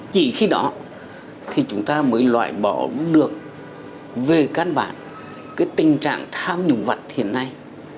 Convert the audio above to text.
chỉ khi đó thì chúng ta mới loại bỏ được về căn bản tình trạng tham nhũng vật hiện nay